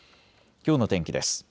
きょうの天気です。